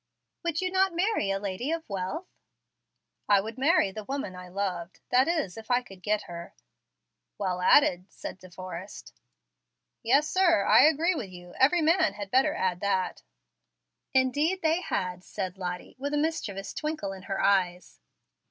"Would you not marry a lady of wealth?" "I would marry the woman I loved; that is, if I could get her." "Well added," said De Forrest. "Yes, sir, I agree with you. Every man had better add that." "Indeed they had," said Lottie, with a mischievous twinkle in her eyes.